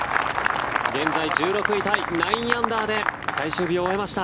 現在、１６位タイ９アンダーで最終日を終えました。